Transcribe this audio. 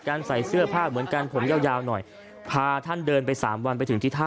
ใส่เสื้อผ้าเหมือนกันผมยาวยาวหน่อยพาท่านเดินไปสามวันไปถึงที่ท่า